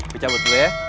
gue cabut dulu ya